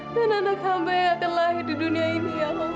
dan anak hamba yang akan lahir di dunia ini ya allah